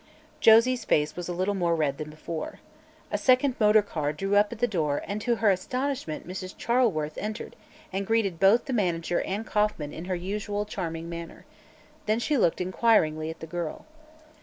Josie's face was a little more red than before. A second motor car drew up at the door and to her astonishment Mrs. Charleworth entered and greeted both the manager and Kauffman in her usual charming manner. Then she looked inquiringly at the girl.